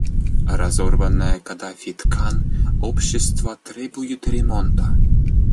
Разорванная Каддафи ткань общества требует ремонта.